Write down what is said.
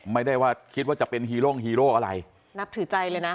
ไม่ได้ว่าคิดว่าจะเป็นฮีโร่งฮีโร่อะไรนับถือใจเลยนะ